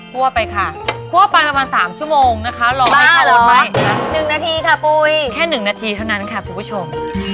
ไปค่ะคั่วไปประมาณ๓ชั่วโมงนะคะรอ๕๐๐๑นาทีค่ะปุ้ยแค่๑นาทีเท่านั้นค่ะคุณผู้ชม